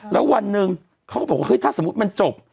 แล้ววันหนึ่งเขาก็บอกว่าถ้าสมมุติมันจบ